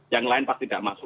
yang lain pasti tidak masuk